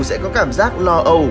sẽ có cảm giác lo âu